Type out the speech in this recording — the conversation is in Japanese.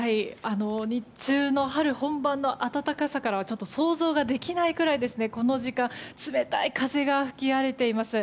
日中の春本番の暖かさからはちょっと想像ができないくらいこの時間は冷たい風が吹き荒れています。